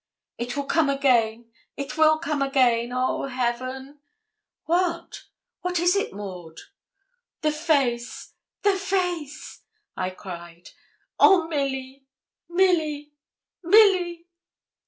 'It will come again; it will come; oh, heaven!' 'What what is it, Maud?' 'The face! the face!' I cried. 'Oh, Milly! Milly! Milly!'